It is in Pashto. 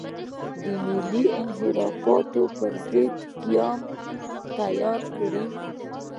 د ملي انحرافاتو پر ضد دې قیام تیاره کړي.